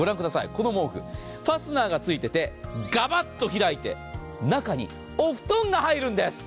この毛布、ファスナーがついていてガバっと開いて、中にお布団が入るんです。